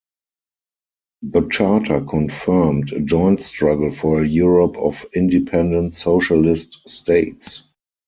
The Charter confirmed a joint struggle for a Europe of independent socialist states.